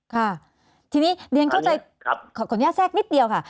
ค่ะทีนี้เรียนเข้าใจขออนุญาตแทรกนิดเดียวค่ะ